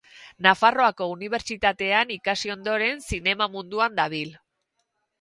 Nafarroako Unibertsitatean ikasi ondoren, zinema munduan dabil.